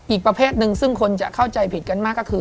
อีกประเภทหนึ่งซึ่งคนจะเข้าใจผิดกันมากก็คือ